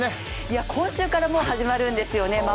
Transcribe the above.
今週からも始まるんですよね